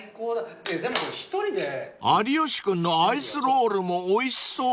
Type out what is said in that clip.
［有吉君のアイスロールもおいしそう］